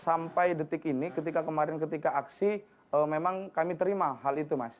sampai detik ini ketika kemarin ketika aksi memang kami terima hal itu mas